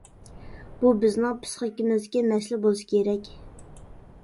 بۇ بىزنىڭ پىسخىكىمىزدىكى مەسىلە بولسا كېرەك.